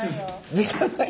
時間ない。